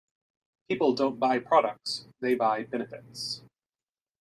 People don't buy products, they buy benefits.